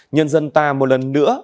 nhân dân ta một lần nữa